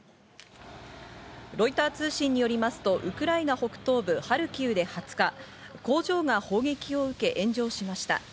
ロイター通信によりますと、ウクライナ北東部ハルキウで２０日、工場が砲撃を受け、炎上しました。